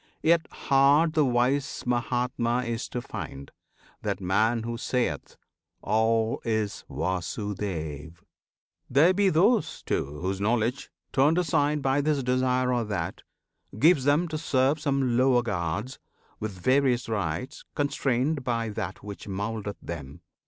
Yet hard the wise Mahatma is to find, That man who sayeth, "All is Vasudev!"[FN#13] There be those, too, whose knowledge, turned aside By this desire or that, gives them to serve Some lower gods, with various rites, constrained By that which mouldeth them.